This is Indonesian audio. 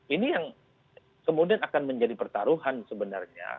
ini yang kemudian akan menjadi pertaruhan sebenarnya